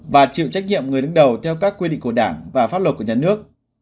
và chịu trách nhiệm người đứng đầu theo các quy định của đảng và pháp luật của nhà nước